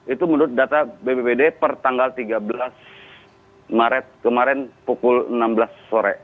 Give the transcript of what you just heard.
itu menurut data bbbd per tanggal tiga belas maret kemarin pukul enam belas sore